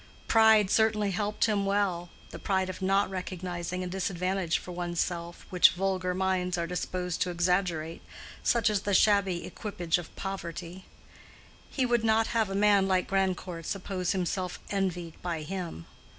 Pride certainly helped him well—the pride of not recognizing a disadvantage for one's self which vulgar minds are disposed to exaggerate, such as the shabby equipage of poverty: he would not have a man like Grandcourt suppose himself envied by him.